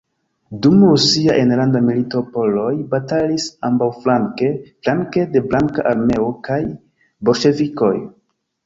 Dum Rusia Enlanda milito poloj batalis ambaŭflanke, flanke de Blanka armeo kaj bolŝevikoj.